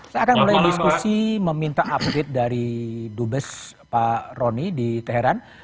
saya akan mulai diskusi meminta update dari dubes pak roni di teheran